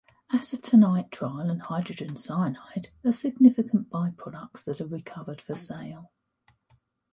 Acetonitrile and hydrogen cyanide are significant byproducts that are recovered for sale.